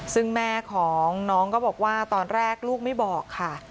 ซึ่งแม่ของน้องก็บอกว่าตอนแรกลูกไม่บอกค่ะ